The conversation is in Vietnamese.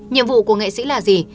nhiệm vụ của nghệ sĩ là gì